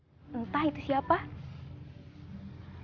kalau emang akhirnya nanti dede nikah sama orang lain